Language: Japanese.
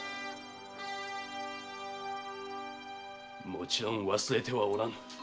もちろん忘れてはおらぬ。